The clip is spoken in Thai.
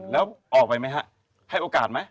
แล้วออกไปไหมฮะให้โอกาสไหม